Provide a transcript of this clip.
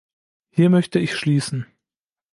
Hier möchte ich schließen.